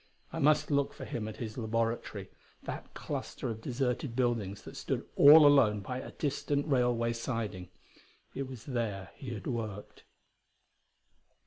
I must look for him at his laboratory, that cluster of deserted buildings that stood all alone by a distant railway siding; it was there he had worked.